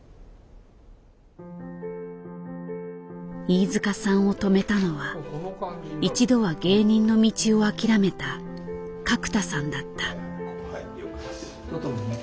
飯塚さんを止めたのは一度は芸人の道を諦めた角田さんだった。